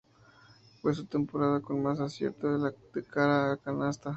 Fue su temporada con más acierto de cara a canasta.